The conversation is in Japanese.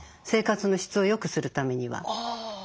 生活の質をよくするためには。